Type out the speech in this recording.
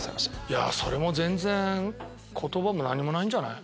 それも全然言葉も何もないんじゃない。